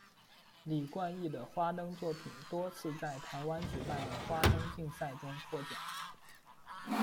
李冠毅的花灯作品多次在台湾举办的花灯竞赛中获奖。